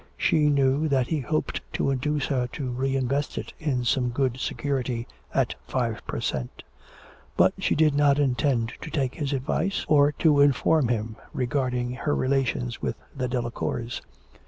She knew that he hoped to induce her to re invest it in some good security at five per cent. But she did not intend to take his advice, or to inform him regarding her relations with the Delacours.